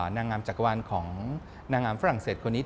นางงามจักรวาลของนางงามฝรั่งเศสคนนี้